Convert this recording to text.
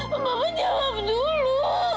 papa papa jawab dulu